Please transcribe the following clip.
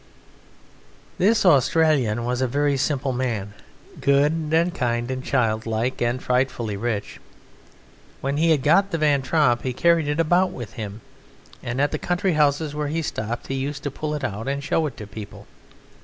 This Australian was a very simple man, good and kind and childlike, and frightfully rich. When he had got the Van Tromp he carried it about with him, and at the country houses where he stopped he used to pull it out and show it to people.